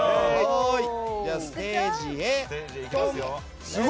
ステージへ行きますよ。